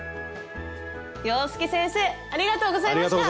洋輔先生ありがとうございました！